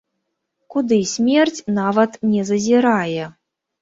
Куды смерць нават не зазірае.